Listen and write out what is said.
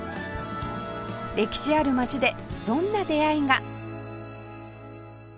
歴史ある街でどんな出会いが？